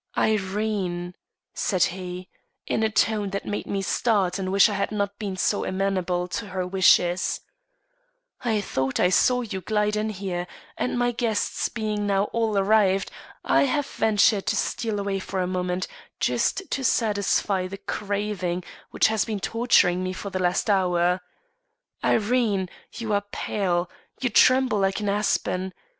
"Irene," said he, in a tone that made me start and wish I had not been so amenable to her wishes, "I thought I saw you glide in here, and my guests being now all arrived, I have ventured to steal away for a moment, just to satisfy the craving which has been torturing me for the last hour. Irene, you are pale; you tremble like an aspen.